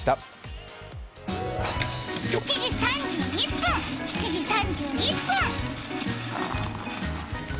７時３１分、７時３１分。